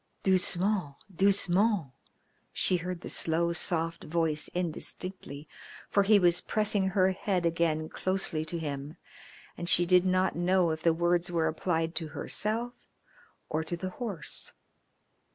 "Doucement, doucement." She heard the slow, soft voice indistinctly, for he was pressing her head again closely to him, and she did not know if the words were applied to herself or to the horse.